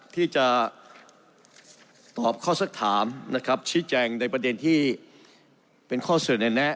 ที่จะตอบข้อสักถามนะครับชี้แจงในประเด็นที่เป็นข้อเสนอแน่